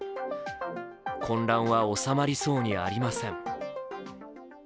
混乱は収まりそうにありません。